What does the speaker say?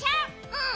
うん。